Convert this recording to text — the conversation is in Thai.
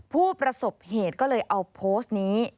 ผู้ประสบเหตุก็เลยเอาโพสต์นี้